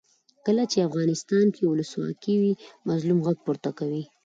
کله چې افغانستان کې ولسواکي وي مظلوم غږ پورته کوي.